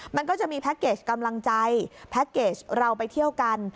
มันก็จะมีแพ็คเกจกำลังใจแพ็คเกจเราไปเที่ยวกัน